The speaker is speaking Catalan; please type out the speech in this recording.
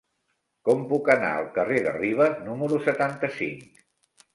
Com puc anar al carrer de Ribes número setanta-cinc?